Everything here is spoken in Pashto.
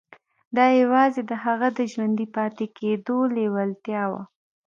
دا یوازې د هغه د ژوندي پاتې کېدو لېوالتیا وه